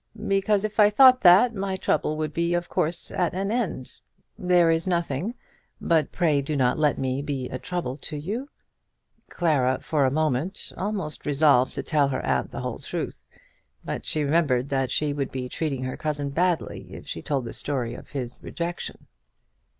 "Because if I thought that, my trouble would of course be at an end." "There is nothing; but pray do not let me be a trouble to you." Clara, for a moment, almost resolved to tell her aunt the whole truth; but she remembered that she would be treating her cousin badly if she told the story of his rejection.